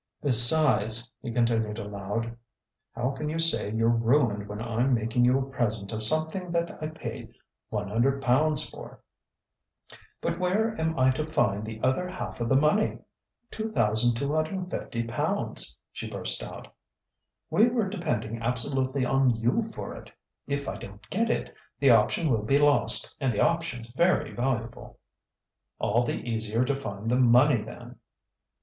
"Besides," he continued aloud, "how can you say you're ruined when I'm making you a present of something that I paid £100 for?" "But where am I to find the other half of the money £2,250?" she burst out. "We were depending absolutely on you for it. If I don't get it, the option will be lost, and the option's very valuable." "All the easier to find the money then!"